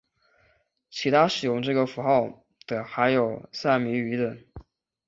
其他使用这个附加符号的还有萨米语等。